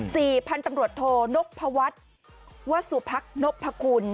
สี่พันตำรวจโทนกภวัฒน์วัสสุพักษ์นกภคุณ